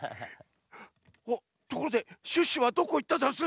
おっところでシュッシュはどこいったざんす？